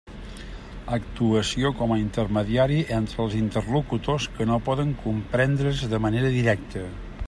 Actuació com a intermediari entre els interlocutors que no poden comprendre's de manera directa.